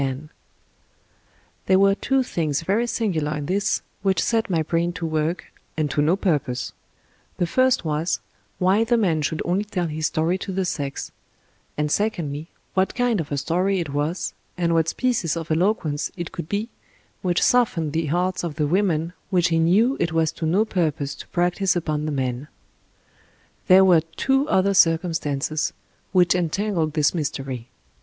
204 Laurence Sterne There were two things very singular in this which set my brain to work, and to no purpose; the first was, why the man should only tell his story to the sex ; and secondly, what kind of a story it was and what species of eloquence it could be which softened the hearts of the women which he knew it was to no purpose to practice upon the men. There were two other circumstances which entangled this mystery.